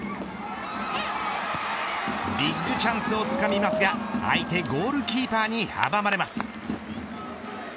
ビッグチャンスをつかみますが相手ゴールキーパーに阻まれます。